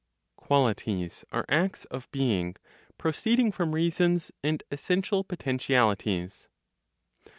QUALITIES ARE ACTS OF BEING, PROCEEDING FROM REASONS AND ESSENTIAL POTENTIALITIES.